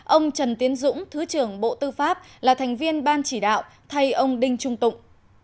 ông trần tiến dũng thứ trưởng bộ tư pháp là thành viên ban chỉ đạo thay ông đinh trung tụng